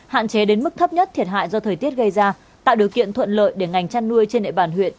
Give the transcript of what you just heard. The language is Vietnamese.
hạn chế đến mức thấp nhất thiệt hại do thời tiết gây ra tạo điều kiện thuận lợi để ngành chăn nuôi trên địa bàn huyện